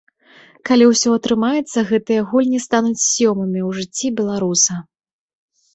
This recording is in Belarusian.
Калі ўсё атрымаецца, гэтыя гульні стануць сёмымі ў жыцці беларуса.